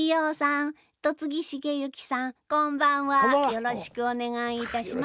よろしくお願いします。